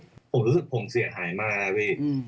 ผมรู้สึกผมเสียหายมากนะพี่